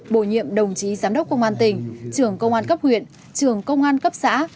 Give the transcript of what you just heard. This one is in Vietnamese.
bổ nhiệm đồng chí giám đốc công an tỉnh trưởng công an cấp huyện trường công an cấp xã